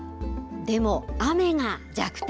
でも雨が弱点。